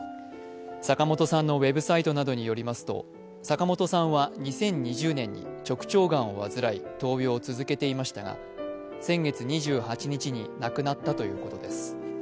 坂本さんのウェブサイトなどによりますと坂本さんは２０２０年に直腸がんを患い闘病を続けていましたが先月２８日に亡くなったということです。